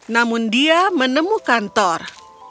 namun dia menemukan thor